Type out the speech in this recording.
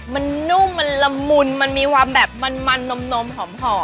มันนุ่มมันละมุนมันมีความแบบมันนมหอม